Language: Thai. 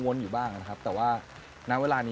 คุณต้องเป็นผู้งาน